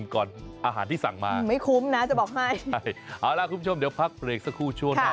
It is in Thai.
ใช่เอาล่ะคุณผู้ชมเดี๋ยวพักเปลี่ยงสักครู่ช่วงหน้า